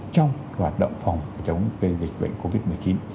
trong hoạt động phòng chống dịch bệnh covid một mươi chín